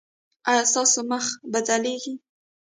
ایا ستاسو مخ به ځلیږي؟